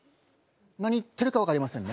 何言ってるか分かりませんね。